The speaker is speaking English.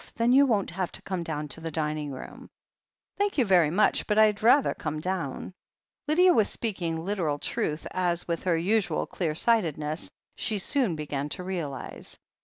Then you won't have to come down to the dining room." "Thank you very much, but Td rather come down." Lydia was speaking literal truth, as, with her usual clear sightedness, she soon began to realize.